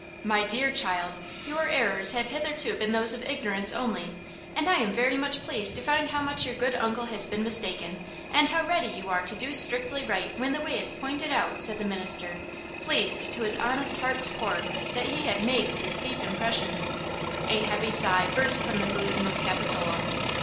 "My dear child, your errors have hitherto been those of ignorance only, and I am very much pleased to find how much your good uncle has been mistaken, and how ready you are to do strictly right when the way is pointed out," said the minister, pleased to his honest heart's core that he had made this deep impression. A heavy sigh burst from the bosom of Capitola.